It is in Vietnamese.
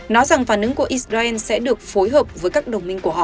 nói rằng phản ứng của israel sẽ được phối hợp với các đồng minh của họ